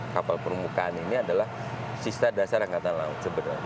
kapal permukaan ini adalah sista dasar angkatan laut sebenarnya